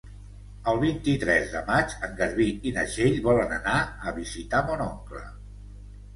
El vint-i-tres de maig en Garbí i na Txell volen anar a visitar mon oncle.